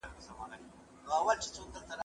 زه اجازه لرم چي کتابونه وليکم..